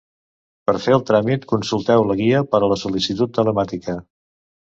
Per fer el tràmit consulteu la Guia per a la sol·licitud telemàtica.